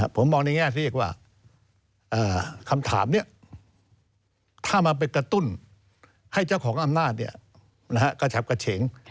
ผมมองในแง่ที่เรียกว่าคำถามนี้ถ้ามันไปกระตุ้นให้เจ้าของอำนาจกระชับกระเฉง